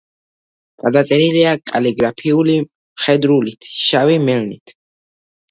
გადაწერილია კალიგრაფიული მხედრულით, შავი მელნით.